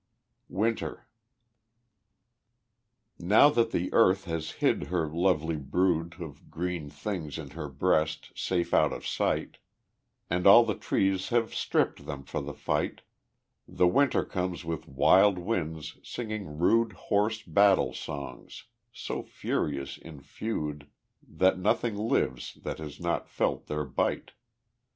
Winter Now that the earth has hid her lovely brood Of green things in her breast safe out of sight, And all the trees have stripped them for the fight, The winter comes with wild winds singing rude Hoarse battle songs so furious in feud That nothing lives that has not felt their bite.